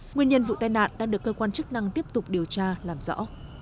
nguyên nhân vụ tai nạn đang được cơ quan chức năng tiếp tục điều tra làm rõ